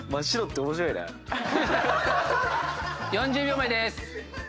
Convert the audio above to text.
４０秒前です。